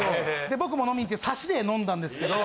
で僕も飲みに行ってサシで飲んだんですけど。